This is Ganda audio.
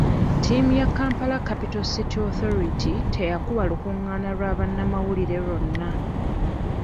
Ttiimu ya Kampala Capital City Authority teyakuba lukungaana lwa bannamawulire lwonna.